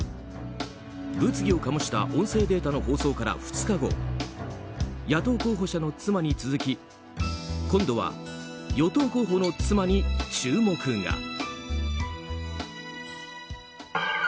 物議を醸した音声データの放送から２日後野党候補者の妻に続き今度は与党候補の妻に注目が。